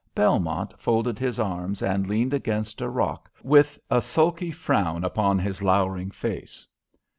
Belmont folded his arms and leaned against a rock, with a sulky frown upon his lowering face.